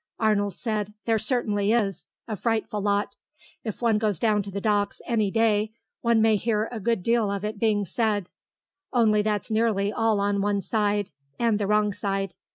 Arnold said, "There certainly is. A frightful lot. If one goes down to the Docks any day one may hear a good deal of it being said; only that's nearly all on one side, and the wrong side....